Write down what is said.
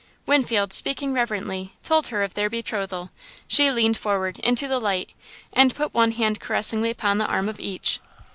Winfield, speaking reverently, told her of their betrothal. She leaned forward, into the light, and put one hand caressingly upon the arm of each.